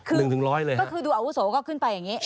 ๑๑๐๐เลยฮะใช่ครับคือดูอาวุศโฮก็ขึ้นไปอย่างนี้